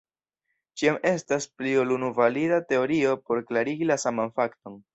Ĉiam estas pli ol unu valida teorio por klarigi la saman fakton.